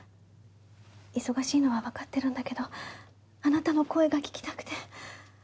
忙しいのはわかってるんだけどあなたの声が聞きたくて。